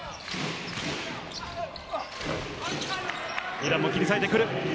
イランも切り裂いてくる。